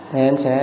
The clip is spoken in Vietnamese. thì em sẽ